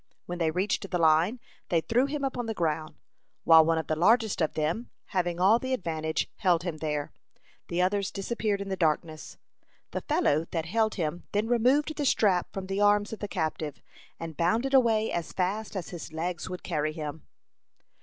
When they reached the line, they threw him upon the ground. While one of the largest of them, having all the advantage, held him there, the others disappeared in the darkness. The fellow that held him then removed the strap from the arms of the captive, and bounded away as fast as his legs would carry him.